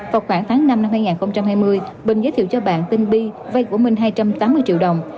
vào khoảng tháng năm năm hai nghìn hai mươi bình giới thiệu cho bạn tin bi vây của mình hai trăm tám mươi triệu đồng